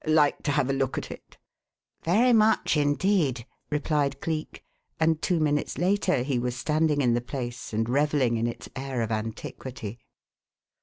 Like to have a look at it?" "Very much indeed," replied Cleek, and two minutes later he was standing in the place and revelling in its air of antiquity.